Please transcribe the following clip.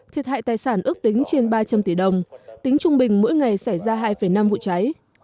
thiệt hại tài sản ước tính trên ba trăm linh tỷ đồng tính trung bình mỗi ngày xảy ra hai năm vụ cháy